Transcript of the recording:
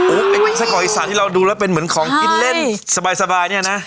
ไอ้ไส้กรอกอีสานที่เราดูแล้วเป็นเหมือนของกินเล่นสบายเนี่ยนะ